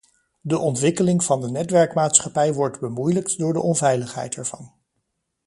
De ontwikkeling van de netwerkmaatschappij wordt bemoeilijkt door de onveiligheid ervan.